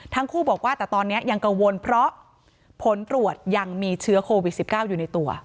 ทั้งคู่บอกว่าแต่ตอนนี้ยังกังวลเพราะผลตรวจยังมีเชื้อโควิด๑๙อยู่ในตัว